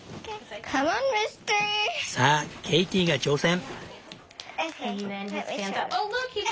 さあケイティが挑戦。